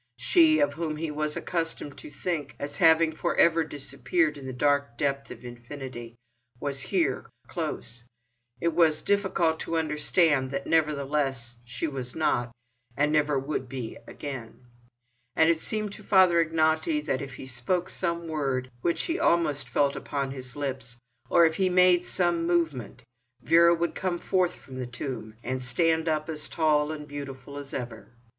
She, of whom he was accustomed to think as having for ever disappeared in the dark depth of infinity, was here, close—and it was difficult to understand that nevertheless she was not, and never would be again. And it seemed to Father Ignaty that if he spoke some word, which he almost felt upon his lips, or if he made some movement, Vera would come forth from the tomb, and stand up as tall and beautiful as ever.